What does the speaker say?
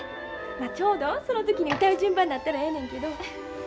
ちょうどその時に歌う順番になったらええねんけど。